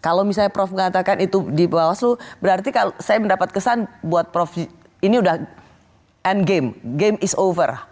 kalau misalnya prof mengatakan itu di bawaslu berarti saya mendapat kesan buat prof ini udah end game game is over